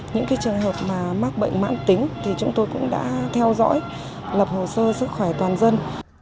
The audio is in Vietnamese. những trường hợp mà mắc bệnh mãn tính thì chúng tôi cũng đã theo dõi lập hồ sơ sức khỏe toàn dân